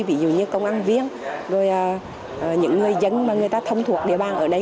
ví dụ như công an viên rồi những người dân mà người ta thông thuộc địa bàn ở đây